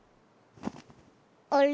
あれ？